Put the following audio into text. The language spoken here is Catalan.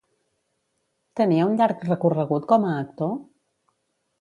Tenia un llarg recorregut com a actor?